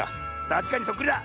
たしかにそっくりだ。